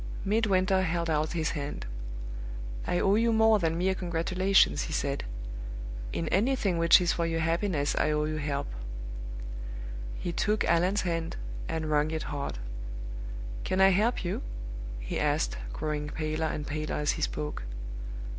Midwinter held out his hand. "I owe you more than mere congratulations," he said. "In anything which is for your happiness I owe you help." He took Allan's hand, and wrung it hard. "Can I help you?" he asked, growing paler and paler as he spoke.